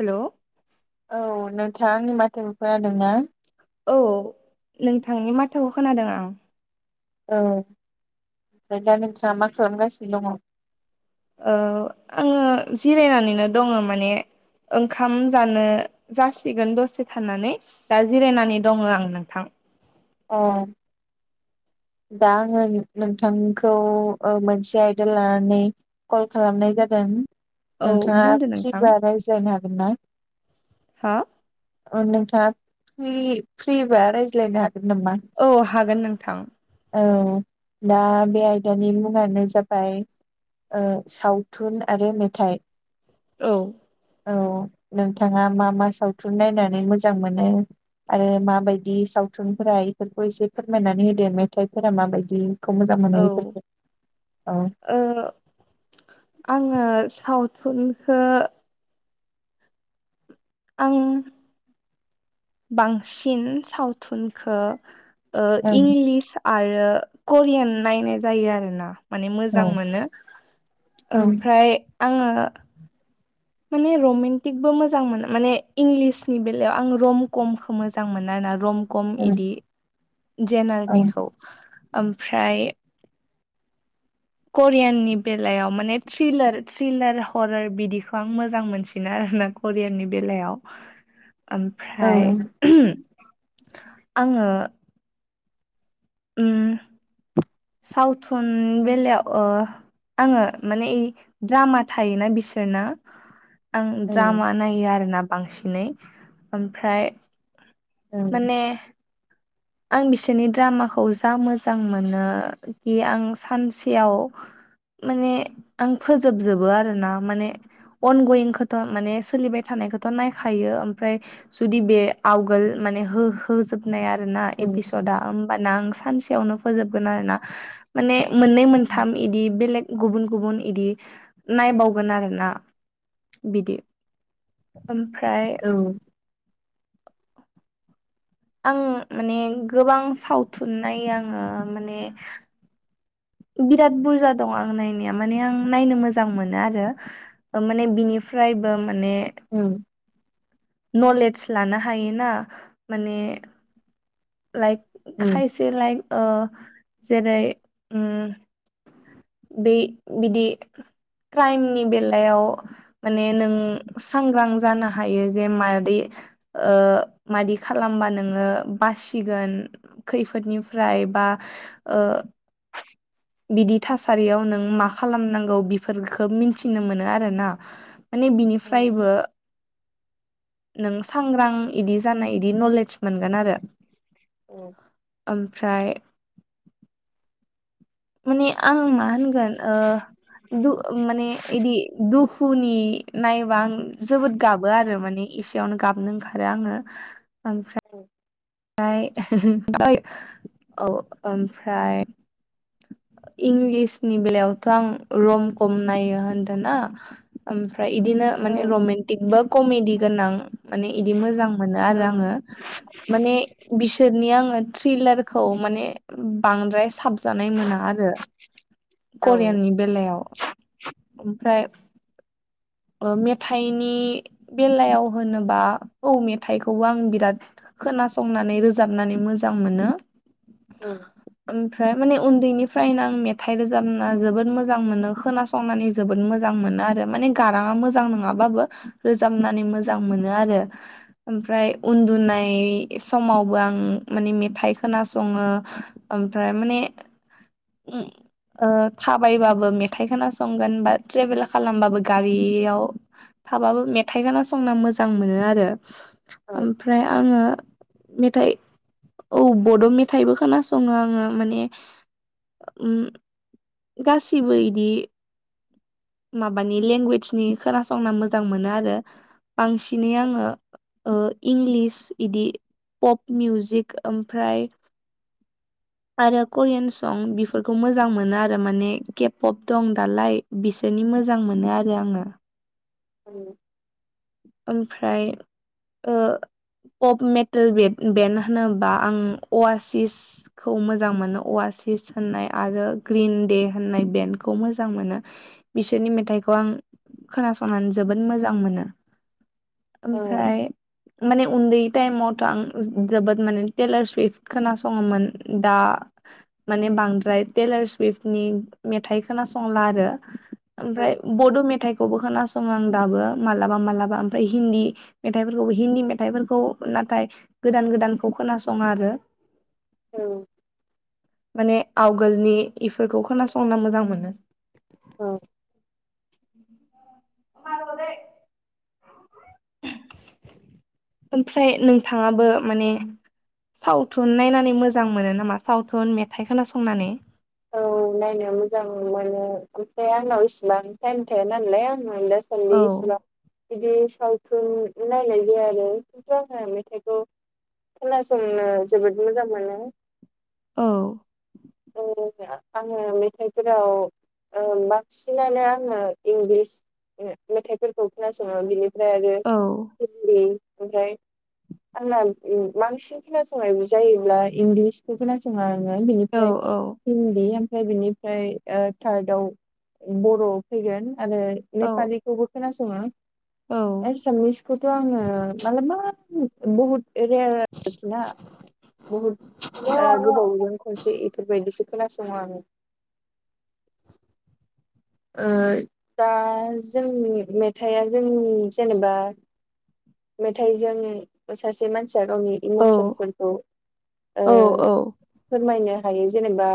हेल'। औ नोंथाङा आंनि माथोखौ खोनादोंना? औ नोंथांनि माथोखौ खोनादों आं। औ ओमफ्राय दा नोंथाङा मा खालामगासिनो दङ। औ आङो जिरायनानैनो दङ माने ओंखाम जानो जासिगोन दसे थानानै दा जिरायनानै दङ आं नोंथां। अ। दा आङो नोंथांखौ मोनसे आयदा लानानै कल खालामनाय जादों औ नोंथाङा बुंदो नोंथां फ्रिबा रायज्लायनो हागोन ना? हा नोंथाङा फ्रिबा रायज्लायनो हागोन नामा? औ हागोन नोंथां। औ दा बे आयदानि मुङानो जाबाय। सावथुन आरो मेथाइ औ। औ नोंथाङा मा मा सावथुन नायनानै मोजां मोनो। आरो माबायदि सावथुनफोरा इफोरखौ एसे फोरमायनानै होदो मे मेथाइफोरा माबायदिखौ मोजां मोनो औ बेफोरखौ औ आङो सावथुनखो आं बांसिन सावथुनखो ओं इंलिस आरो करियान नायनाय जायो आरोना। माने औ मोजां मोनो औ ओमफ्राय आङो माने रमेन्टिकबो मोजां मोनो माने इंलिसनि बेलायाव आं रम कमखौ मोजां मोनो आर ना रम खम औ इदि औ जेनेलनिखौ ओमफ्राय करियाननि बेलायाव माने थ्रिलार थ्रिलार हरार बिदिखौ आं मोजां मोनसिनो आरो ना। कररियाननि बेलायाव औ ओमफ्राय आङो ओ। सावथुन बेलायाव ओ आङो माने ओइ द्रामा थायोना बिसोरनो। आं औ द्रामा नायो आरोना बांसिनै ओमफ्राय औ माने आं बिसोरनि द्रामाखौ जा मोजां मोनो कि आं सानसेयाव माने आं फोजोबजोबो आरोना माने अन गयिंखौथ' माने सोलिबाय थानायखौथ' नायखायो ओमफ्राय जुदि बे आवगोल माने हो होजोबनाय आरो ना औ एपिसदआ होमबाना आं सानसेयावनो फोजोबगोन आरो ना। माने मोननै मोनथाम इदि बेलेग गुबुन गुबुन इदि नायबावगोन आरोना बिदि ओमफ्राय औ। आं माने गोबां सावथुन नायो आङो माने बिराद बुरजा दं आं नायनाया माने आं नायनो मोजां मोनो आरो। माने बिनिफ्रायबो माने ओ। नलेज लानो हायोना माने लाइक खायसे लाइक जेरै उम [inaudible] बे बिदि क्राइमनि बेलायाव माने नों सांग्रां जानो हायो जे मादै मादि खालामबा नोङो बासिगोन। खैफोदनिफ्राय बा [inaudible] बिदि थासारियाव नों मा खालामनांगौ बेफोरखौ मिथिनो मोनो आरो ना। माने औ बिनिफ्रायबो नों सांग्रां इदि जानाय इदि नलेज मोनगोन आरो। औ। ओमफ्राय माने आं मा होनगोन दु माने इदि दुख फौनि नायोबा आं जोबोद गाबो आरो माने एसेयावनो गाबनो ओंखारो आङो। ओमफ्राय औ। ओमफ्राय औ ओमफ्राय इंलिसनि बेलायावथ' आं रम खम नायो होनदोंना। ओमफ्राय इदिनो माने रमन्टिकबो कमेडि गोनां माने इदि मोजां मोनो आरो आङो। माने बिसोरनि आङो थ्रिलारखौ माने बांद्राय साब जानाय मोना आरो करियाननि बेलायाव ओमफ्राय मेथाइनि बेलायाव होनोबा औ मेथाइखौबो आं बिराद खोनासंनानै रोजाबनानै मोजां मोनो। ओमफ्राय माने उन्दैनिफ्रायनो आं मेथाइ रोजाबना जोबोद मोजां मोनो खोनासंनानै जोबोद मोजां मोनो आरो माने गाराङा मोजां नङाबाबो रोजाबनानै मोजां मोनो आरो। ओमफ्राय उन्दुनाय समावबो आं माने मेथाइ खोनासङो। ओमफ्राय माने थाबायबाबो मेथाइ खोनासंगोन बा ट्रेभेल खालामबाबो गारियाव थाबाबो मेथाइ खोनासंना मोजां मोनो आरो। ओमफ्राय आङो मेथाइ औ बड' मेथाइबो खोनासङो आङो माने उ [inaudible] गासिबो इदि माबानि लेंगुवेजनि खोनासंना मोजां मोनो आरो बांसिनै आङो इंलिस इदि पप मिउजिक ओमफ्राय [inaudible] आरो करियान सं बेफोरखौ मोजां मोनो आरो माने केप अप दं दालाय बिस बिनि मोजां मोनो आरो आङो औ। ओमफ्राय ओ कफ मेटेल बे बेन होनोबा आं अवासिस खौ मोजां मोनो अवासिस होननाय आरो ग्रिन दे होननाय बेन्डखौ मोजां मोनो। बिसोरनि मेथाइखौ आं खोनासंनानै जोबोद मोजां मोनो। ओमफ्राय माने उन्दै टाइमावथ' आं जोबोद माने टेलार सुइफ्ट खोनासङोमोन दा माने बांद्राय टेलार सुइफ्टनि मेथाइ खोनासंला आरो। ओमफ्राय बड' मेथाइखौबो खोनासं आं दाबो माला मालाबा मालाबा ओमफ्राय हिन्दी मेथाइफोरखौबो हिन्दी मेथाइफोरखौ नाथाय गोदान गोदानखौ खोनासङा आरो। औ। माने आवगोलनि इफोरखौ खोनासंना मोजां मोनो। औ। म दाय [inaudible] [inaudible] ओमफ्राय नोंथाङाबो माने सावथुन नायनानै मोजां मोनो नामा सावथुन मेथाइ खोनासंनानै औ नायनो मोजां मोनो ओमफ्राय आंनाव इसिबां टाइम थाया नालाय आं दा [unintelligible] औ इसिबां बिदि सावथुन नायनाय जाया आरो खिन्थु आङो मेथाइखौ खोनासंनो जोबोद मोजां मोनो औ [unintelligible] आङो मेथाइफोराव ओ बांसिनानो आङो इंलिस मेथाइफोरखौ खोनासङो बिनि फ्राय आरो औ हिन्दी ओमफ्राय आंना बांसिन खोनासंनाय जायोब्ला इंलिस खोनासोङा आङो औ बेनिफ्राय हिन्दी ओमफ्राय बिनिफ्राय थार्दआव बर' फैगोन आरो औ नेपालिखौबो खोनासङो औ एसामिस खौथ' आङो मालाबा बहुद रेयार आरोखि ना बहुद ओ गोबावजों खनसे इ फोरबायदिसो खोनासङो आङो ओ दा जोंनि मेथाइआ जोंनि जेनेबा मेथाइजों सासे मानसिया गावनि औ इम'सनफोरखौ ओ औ फोरमायनो हायो जेनेबा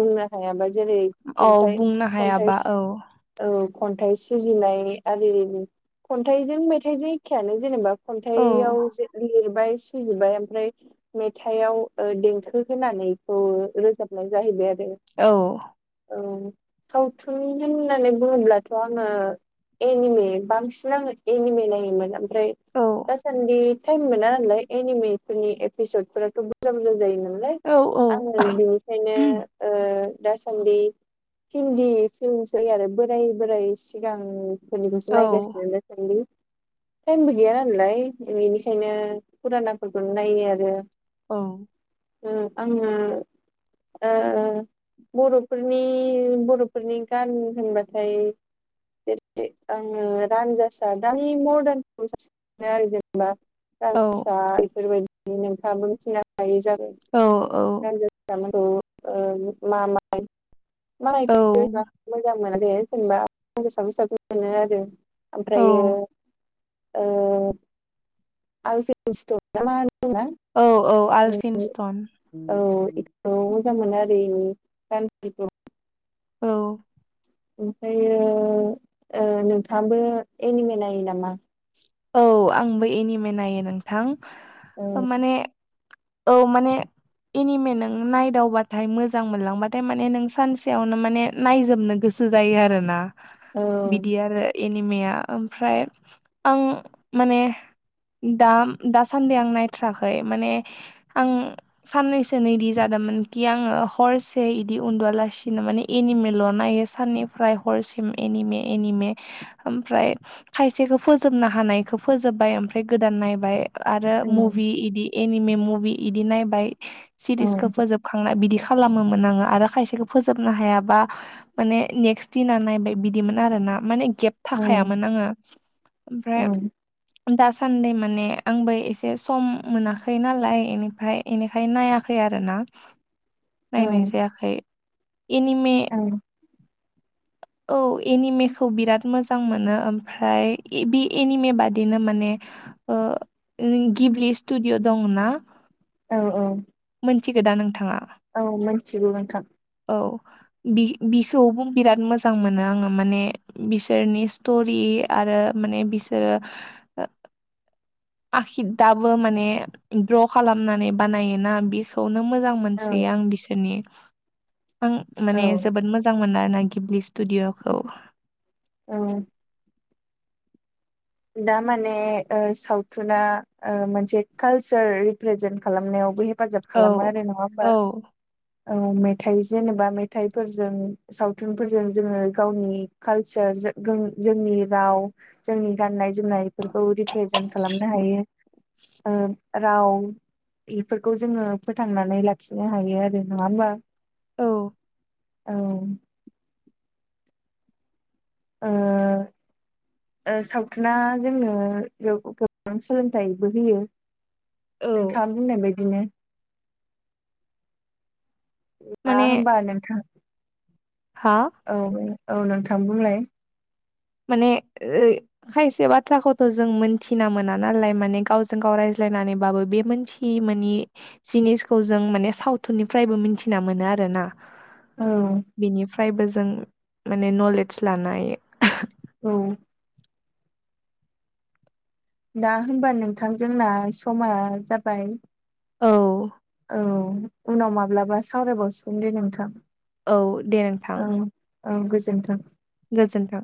बुंनो हायाबा जेरै औ खन्थाइ बुंनो खन्थाइ हायाबा औ औ खन्थाइ सुजुनाय आरि खन्थाइजों मेथाइजों एखेयानो जेनेबा औ खन्थाइआव जे लिरबाय सुजुबाय ओमफ्राय मेथाइआव देंखो होनानैखौ रोजाबनाय जाहैबाय आरो औ औ सावथुन होननानै बुङोब्लाथ' आङो एनिमे बांसिन एनिमे नायोमोन फ्राय औ दासान्दि टाइम मोना नालाय एनिमि फोरनि एपिसद फोरथ' बुरजा बुरजा जायो ना औ [unintelligible] आङो बिनिखायनो दासान्दि हिन्दि जोंसै आरो बोराय बोराय सिगां औ फोरनिखौसो नायगासिनो दा सान्दि टाइमबो गैया नालाय बेनिखायनो फुरानाफोरखौनो नायो आरो औ आङो ओ बर'फोरनि बर'फोरनि गान होनबाथाय [unintelligible] आङो रान्जासा दानि मरदानखौ [unintelligible] आरो जेनेबा [unintelligible] बेफोरबायदि नोंथाङाबो मिथिनो हायै जागाय औ औ औ [unintelligible] मोजां मोना दे जेनेबा [unintelligible] मोनो आरो औ ओमफ्रायो ओ [unintelligible] [unintelligible] औ औ औ आलफिनस्टन औ मोजां मोनो आरो गानफोरखौ औ ओमफ्रायो ओ नोंथाङाबो एनिमे नायो नामा औ आंबो एनिमे नायो नोंथां औ माने औ माने एनिमे नों नायदावबाथाय मोजां मोनलांबाथाय माने नों सानसेयावनो माने नायजोबनो गोसो जायो आरोना औ बिदि आरो एनिमेया ओमफ्राय आं माने दा दासान्दि आं नायथाराखै माने आं साननैसो नै इदि जादोंमोन कि आङो हरसे इदि उन्दुआलासिनो माने एनिमेल' नायो साननिफ्राय हरसिम एनिमे एनिमे ओमफ्राय खायसेखौ फोजोबनो हानायखौ फोजोबबाय ओमफ्राय गोदान नायबाय आरो औ मभि इदि एनिमे मुभि बिदि नायबाय औ सिरिसखौ फोजोबखांना बिदि खालामोमोन आङो आरो खायसेखौ फोजोबनो हायाबा माने नेक्स्ट दिना नायबाय बिदिमोन आरोना माने गेब थाखायामोन आङो ओमफ्राय दासान्दि माने आंबो एसे सम मोनाखै नालाय बेनिफ्राय बेनिखाय नायाखै आरोना [inaudible] नायनाय औ जायाखै एनिमे औ औ एनिमेखौ बिराद मोजां मोनो ओमफ्राय बे एनिमे बादिनो माने ओ नों गिब्लि स्टुडिअ' दंना औ औ मोनथिगोदा नोंथाङा औ मिथिगौ नोंथां औ बि बिखौबो बिराद मोजां मोनो आङो माने बिसोरनि स्ट'रि आरो माने बिसोरो आखिद दाबो माने ग्र' खालामनानै बानायोना बि खौनो मोजां औ मोनसोयो आं बिसोरनि आं औ माने जोबोद मोज जां मोनो आरोना गिबलि स्टुडिअ'खौ औ दा माने ओ सावथुना मोनसे ओ कालचार रिप्रेजेन्ट खालामनायावबो हेफाजाब औ खालामो आरो नङा होमबा औ औ मेथाइ जेनेबा मेथाइफोरजों सावथुनफोरजों जोङो गावनि कालचार जोंनि राव जोंनि गाननाय जोमनायफोरखौ रिप्रेजेन्ट खालामनो हायो ओ राव बेफोरखौ जोङो फोथांनानै लाखिनो हायो आरो नङा होमबा औ औ ओ ओ सावथुना जोंनो गोबां सोलोंथाइबो होयो औ नोंथाङा बुंनाय बायदिनो ना माने होमबा नोंथां हा औ औ नोंथां बुंलाय माने ओ खायसे बाथ्राखौथ' जों मोनथिना मोना नालाय माने गावजों गाव रायज्लायनानैबाबो बे मोनथि थि मोनि जिनिसखौ जों माने सावथुननिफ्रायबो मिथिना मोनो आरो ना औ बेनिफ्रायबो जों माने नलेज लानाय औ दा होमबा नोंथां जोंना समा जाबाय औ औ उनाव माब्लाबा सावरायबावसिगोन दे नोंथां औ दे नोंथां ओं गोजोन्थों गोजोनथों